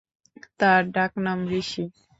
তার ডাক নাম ঋষি।